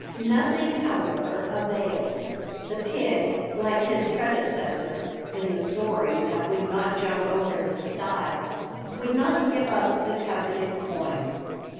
Nothing, however, availed. The pig, like his predecessor in the story that would not jump over the stile, would not give up the coveted coin.